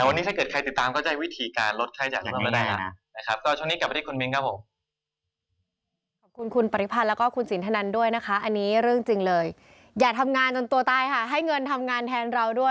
วันนี้ถ้าเกิดใครติดตามก็จะได้วิธีการลดไข้จ่ายสำหรับเราได้นะครับ